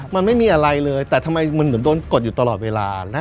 มันไม่มีอะไรเลยแต่ทำไมมันเหมือนโดนกดอยู่ตลอดเวลานะ